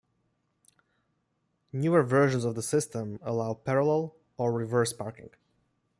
Newer versions of the system allow parallel or reverse parking.